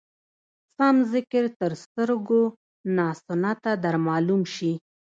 سم ذکر تر سترګو ناسنته در معلوم شي.